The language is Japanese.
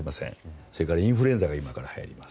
それから、インフルエンザがこれからはやります。